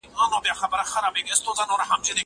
موږ پر هغو باندي تند باد راواستاوه.